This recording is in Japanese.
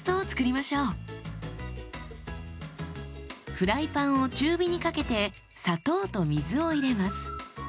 フライパンを中火にかけて砂糖と水を入れます。